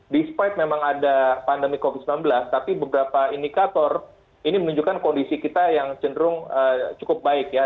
despite memang ada pandemi covid sembilan belas tapi beberapa indikator ini menunjukkan kondisi kita yang cenderung cukup baik ya